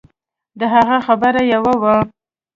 د هغه خبره يوه وه.